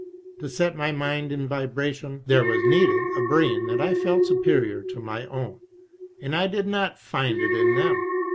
To set my mind in vibration, there was needed a brain that I felt superior to my own ; and I did not find it in them.